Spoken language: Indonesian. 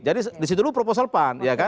jadi disitu dulu proposal pan